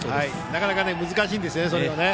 なかなか難しいんですけどね。